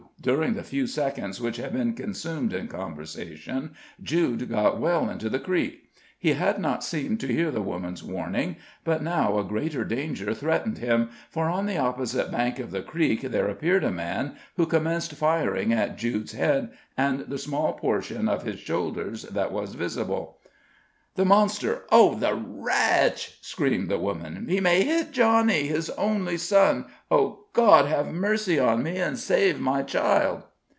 During the few seconds which had been consumed in conversation, Jude got well into the creek. He had not seemed to hear the woman's warning; but now a greater danger threatened him, for on the opposite bank of the creek there appeared a man, who commenced firing at Jude's head and the small portion of his shoulders that was visible. "The monster. Oh, the wretch!" screamed the woman. "He may hit Johnny, his only son! Oh, God have mercy on me, and save my child!"